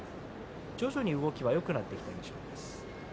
徐々に動きはよくなってきています。